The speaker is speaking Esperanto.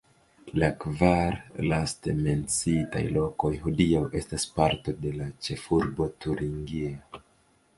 La kvar laste menciitaj lokoj hodiaŭ estas parto de la ĉefurbo turingia.